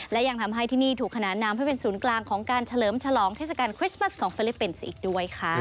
และยังทำให้ที่นี่ถูกขนานนามให้เป็นศูนย์กลางของการเฉลิมฉลองเทศกาลคริสต์มัสของฟิลิปปินส์อีกด้วยค่ะ